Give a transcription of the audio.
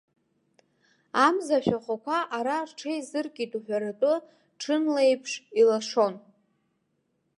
Амза шәахәақәа ара рҽеизыркит уҳәаратәы, ҽынла еиԥш илашон.